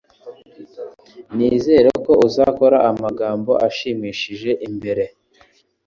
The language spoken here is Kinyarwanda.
Nizere ko uzakora amagambo ashimishije imbere.